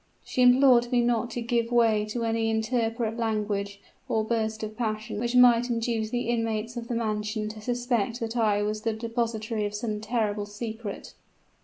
She implored me not to give way to any intemperate language or burst of passion which might induce the inmates of the mansion to suspect that I was the depositary of some terrible secret.